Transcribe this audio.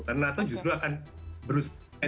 karena nato justru akan berusaha